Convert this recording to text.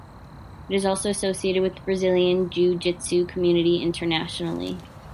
It is also associated with the Brazilian jiu jitsu community internationally.